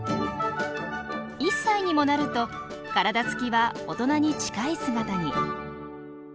１歳にもなると体つきは大人に近い姿に。